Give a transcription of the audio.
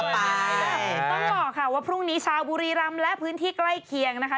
ต้องบอกค่ะว่าพรุ่งนี้ชาวบุรีรำและพื้นที่ใกล้เคียงนะคะ